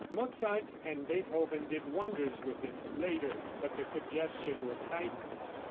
Mozart and Beethoven did wonders with it later, but the suggestion was Haydn's.